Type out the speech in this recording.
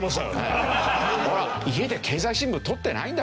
「家で経済新聞とってないんだ